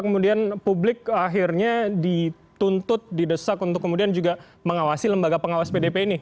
kemudian publik akhirnya dituntut didesak untuk kemudian juga mengawasi lembaga pengawas pdp ini